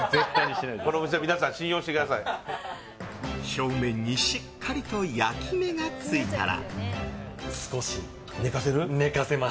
表面にしっかりと焼き目がついたら。